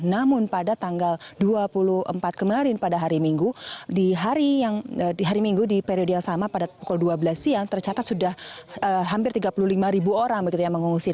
namun pada tanggal dua puluh empat kemarin pada hari minggu di hari minggu di periode yang sama pada pukul dua belas siang tercatat sudah hampir tiga puluh lima ribu orang mengungsi